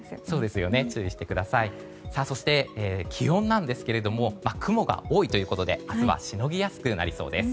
そして気温ですが雲が多いということで明日はしのぎやすくなりそうです。